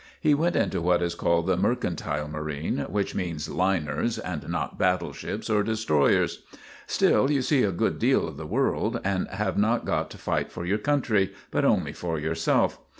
He went into what is called the mercantile marine, which means liners, and not battleships or destroyers; still you see a good deal of the world, and have not got to fight for your country, but only for yourself.